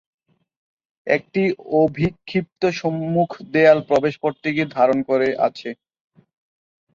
একটি অভিক্ষিপ্ত সম্মুখ দেয়াল প্রবেশ পথটিকে ধারণ করে আছে।